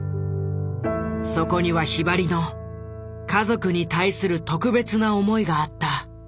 そこにはひばりの家族に対する特別な思いがあった。